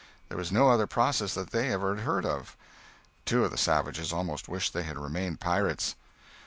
There was no other process that ever they had heard of. Two of the savages almost wished they had remained pirates.